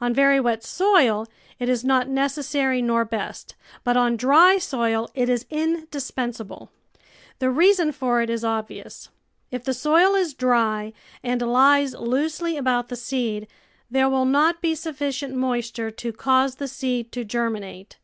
On very wet soil it is not necessary nor best, but on dry soil it is indispensable. The reason for it is obvious. If the soil is dry and lies loosely about the seed, there will not be sufficient moisture to cause the seed to germinate.